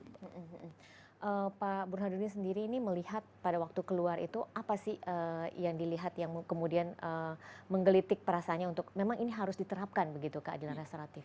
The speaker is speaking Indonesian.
pak burhanuddin sendiri ini melihat pada waktu keluar itu apa sih yang dilihat yang kemudian menggelitik perasaannya untuk memang ini harus diterapkan begitu keadilan restoratif